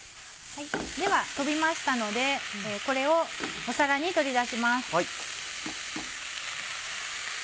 では飛びましたのでこれを皿に取り出します。